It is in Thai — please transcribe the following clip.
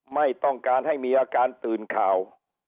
ไม่ต้องการให้มีอาการตื่นข่าว